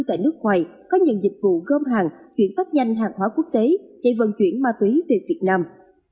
tại nước ngoài có những dịch vụ gơm hàng chuyển phát nhanh hàng hóa quốc tế để vận chuyển ma túy về việt nam